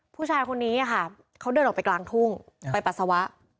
ผู้ชายคนนี้ค่ะเขาเดินออกไปกลางทุ่งไปปัสสาวะ